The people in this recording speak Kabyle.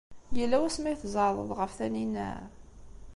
Yella wasmi ay tzeɛḍeḍ ɣef Taninna?